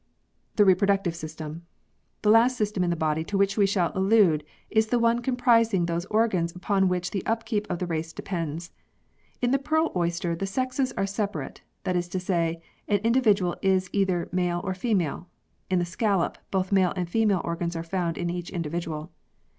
40 PEARLS [CH. The Reproductive System. The last system in the body to which we shall allude is the one comprising those organs upon which the upkeep of the race depends. In the pearl oyster the sexes are separate, that is to say, an individual is either male or female. (In the scallop, both male and female organs are found in each individual.)